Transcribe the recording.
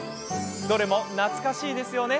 どれも懐かしいですよね。